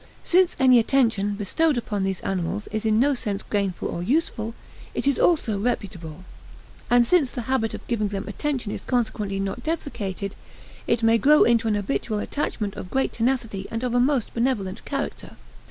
Since any attention bestowed upon these animals is in no sense gainful or useful, it is also reputable; and since the habit of giving them attention is consequently not deprecated, it may grow into an habitual attachment of great tenacity and of a most benevolent character.